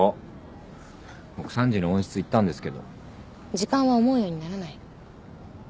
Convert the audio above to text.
時間は思うようにならない。